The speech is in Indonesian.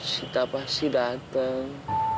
sita pasti datang